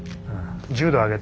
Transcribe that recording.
１０度上げて。